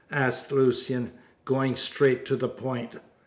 asked Lucian, going straight to the point.